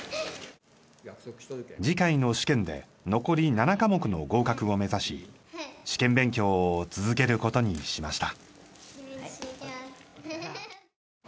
次回の試験で残り７科目の合格を目指し試験勉強を続けることにしました。